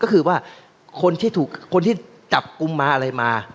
ก็คือว่าคนที่จับกลุ่มมาอะไรมา